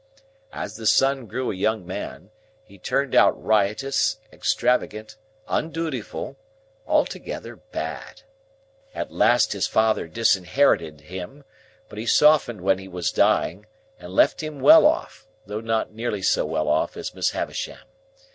As the son grew a young man, he turned out riotous, extravagant, undutiful,—altogether bad. At last his father disinherited him; but he softened when he was dying, and left him well off, though not nearly so well off as Miss Havisham.